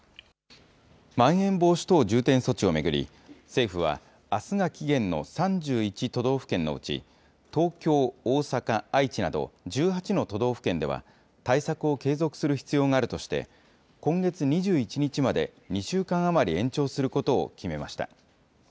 まん延防止等重点措置を巡り、政府は、あすが期限の３１都道府県のうち、東京、大阪、愛知など、１８の都道府県では、対策を継続する必要があるとして、今月２１日まで２週間余り延長することを決めました。